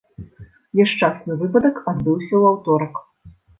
Няшчасны выпадак адбыўся ў аўторак.